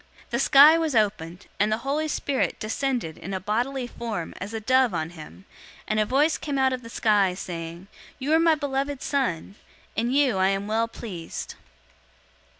The sky was opened, 003:022 and the Holy Spirit descended in a bodily form as a dove on him; and a voice came out of the sky, saying "You are my beloved Son. In you I am well pleased."